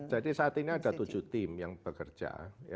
jadi saat ini ada tujuh tim yang bekerja